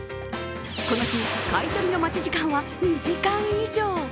この日、買い取りの待ち時間は２時間以上。